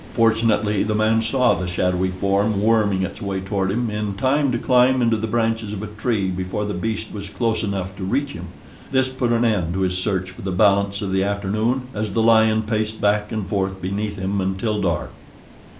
Fortunately the man saw the shadowy form worming its way toward him in time to climb into the branches of a tree before the beast was close enough to reach him. This put an end to his search for the balance of the afternoon, as the lion paced back and forth beneath him until dark.